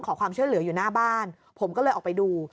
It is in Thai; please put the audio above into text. ขอความช่วยเหลืออยู่หน้าบ้านผมก็เลยออกไปดู